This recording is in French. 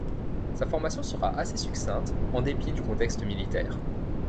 Sa formation sera assez succincte, en dépit du contexte militaire.